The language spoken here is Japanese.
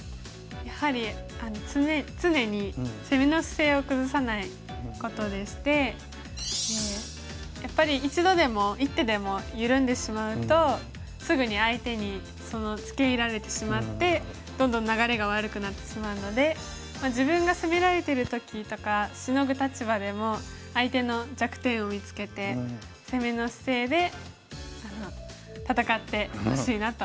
やはり常に攻めの姿勢を崩さないことでしてやっぱり一度でも一手でも緩んでしまうとすぐに相手につけいられてしまってどんどん流れが悪くなってしまうので自分が攻められてる時とかシノぐ立場でも相手の弱点を見つけて攻めの姿勢で戦ってほしいなと思います。